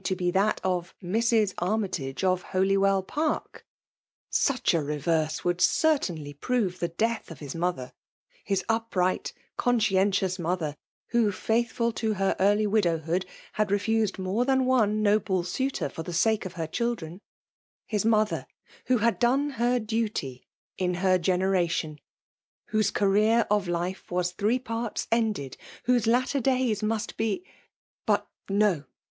to be that plf Mrs. Armytage, of Holywell Pslrk r Stiek a reverse would certainly prove the death of his mother ; hib upright conscientieMa molhSt; ijf^o, faithful tp her early widowhood* Jhad wft fused more than one noble auitor for tha sake of her children ; his mother^ ^who had donehcl^ ^il^ty in her generation,— who^e career of life was three parts ended,^— whose latter days vxs^ bi>^but no